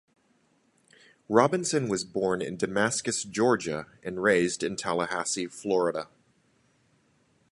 Robinson was born in Damascus, Georgia, and raised in Tallahassee, Florida.